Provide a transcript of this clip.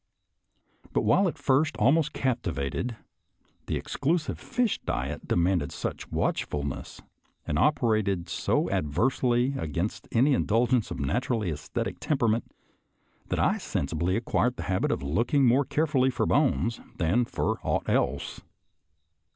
But, while at first almost captivated, the exclusive fish diet de manded such watchfulness and operated so ad versely against any indulgence of a naturally aesthetic temperament, that I insensibly acquired the habit of looking more carefully for bones than for aught else.